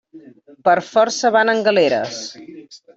Per força van en galeres.